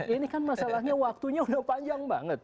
ini kan masalahnya waktunya udah panjang banget